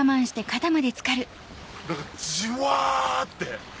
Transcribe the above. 何かじわって。